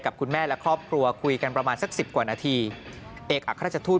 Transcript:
คุณแม่และครอบครัวคุยกันประมาณสักสิบกว่านาทีเอกอัครราชทูต